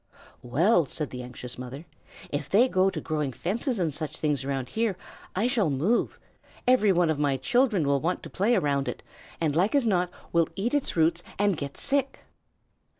"Well," said the anxious mother, "if they go to growing fences and such things around here I shall move. Every one of my children will want to play around it, and as like as not will eat its roots and get sick."